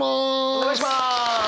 お願いします！